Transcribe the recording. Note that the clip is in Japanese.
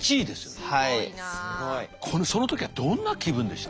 その時はどんな気分でした？